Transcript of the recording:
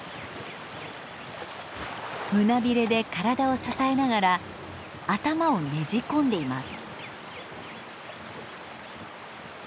胸びれで体を支えながら頭をねじ込んでいます。